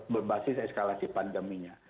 berbasis eskalasi pandeminya